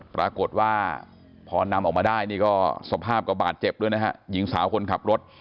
ปรากฏว่าพอนำออกมาได้ก็สภาพกว่าบาดเจ็บก็นะฮะ